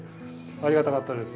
ありがたかったです。